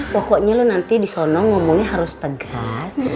pokoknya lu nanti di sono ngomongnya harus tegas